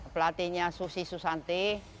pelatihnya susi susanti